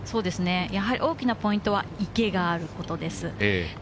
大きなポイントは池があることです。